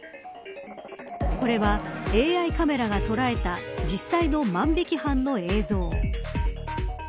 これは、ＡＩカメラが捉えた実際の万引き犯の映像。